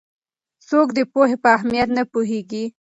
څوک د پوهې په اهمیت نه پوهېږي؟